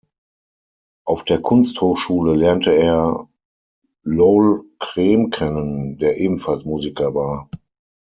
Auf der Kunsthochschule lernte er Lol Creme kennen, der ebenfalls Musiker war.